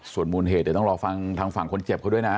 ส่วนมูลเหตุเดี๋ยวต้องรอฟังทางฝั่งคนเจ็บเขาด้วยนะ